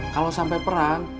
kalau sampai perang